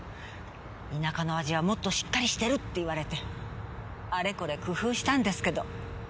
田舎の味はもっとしっかりしてるって言われてあれこれ工夫したんですけど。